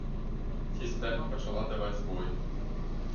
Сістэма пачала даваць збоі.